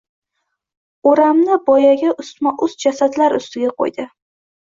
O’ramni boyagi ustma-ust jasadlar ustiga qo‘ydi.